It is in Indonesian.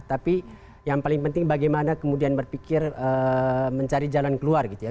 tapi yang paling penting bagaimana kemudian berpikir mencari jalan keluar gitu ya